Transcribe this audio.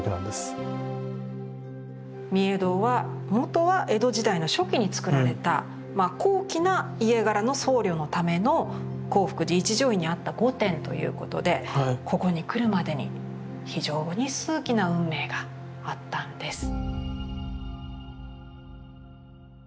御影堂はもとは江戸時代の初期に造られた高貴な家柄の僧侶のための興福寺一乗院にあった御殿ということでここに来るまでに非常に数奇な運命があったんです。